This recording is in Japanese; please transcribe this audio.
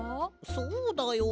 そうだよ